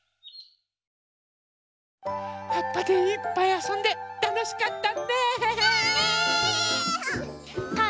はっぱでいっぱいあそんでたのしかったね！ね！